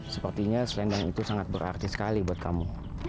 sepertinya selendang itu sangat berarti sekali buat kamu